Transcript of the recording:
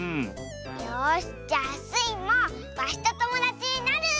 よしじゃあスイもワシとともだちになる！